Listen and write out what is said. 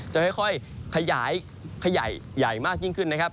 จะค่อยขยายใหญ่มากยิ่งขึ้นนะครับ